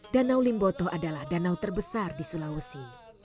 danau limboto adalah danau terbesar di sulawesi